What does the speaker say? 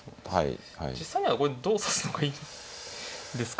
実際にはこれどう指すのがいいですか？